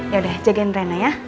yaudah jagain trennya ya